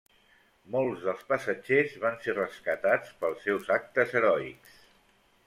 Molts dels passatgers van ser rescatats pels seus actes heroics.